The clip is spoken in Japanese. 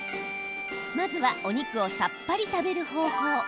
まずはお肉をさっぱり食べる方法。